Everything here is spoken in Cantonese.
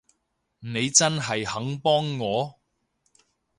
你真係肯幫我？